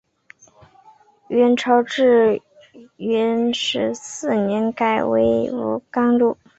元朝至元十四年改为武冈路。